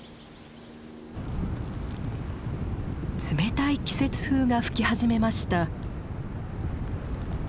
冷たい季節風が吹き始めました。